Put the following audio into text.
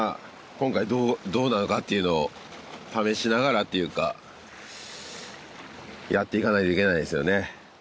今回どうなのかっていうのを試しながらっていうかやっていかないといけないですよね